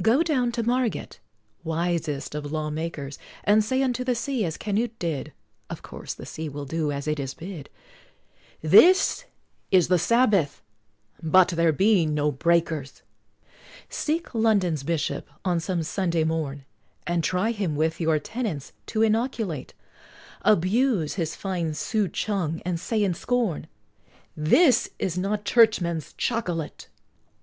Go down to Margate, wisest of law makers, And say unto the sea, as Canute did, (Of course the sea will do as it is bid,) "This is the Sabbath but there be no Breakers!" Seek London's Bishop, on some Sunday morn, And try him with your tenets to inoculate, Abuse his fine souchong, and say in scorn, "This is not Churchman's Chocolate!"